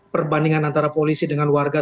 perbandingan antara polisi dengan warga